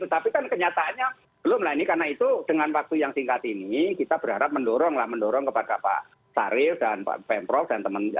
tapi kan kenyataannya belum lah ini karena itu dengan waktu yang singkat ini kita berharap mendorong lah mendorong kepada pak saril dan pak pemprov dan teman teman